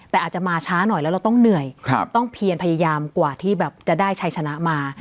แต่อาจจะมาช้าหน่อยแล้วเราต้องเหนื่อยต้องเพียนพยายามกว่าที่แบบจะได้ชัยชนะมา